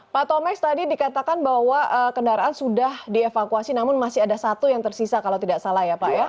pak tomes tadi dikatakan bahwa kendaraan sudah dievakuasi namun masih ada satu yang tersisa kalau tidak salah ya pak ya